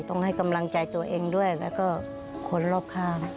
ต้องให้กำลังใจตัวเองด้วยแล้วก็คนรอบข้าง